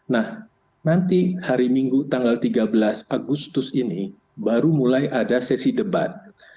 nah nanti hari minggu tanggal tiga belas agustus ini baru mulai ada sesi debat